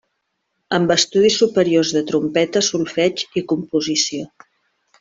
Amb estudis superiors de trompeta, solfeig i composició.